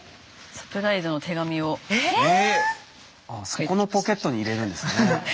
そこのポケットに入れるんですね。